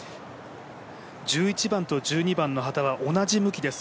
１１番と１２番の旗は同じ向きです。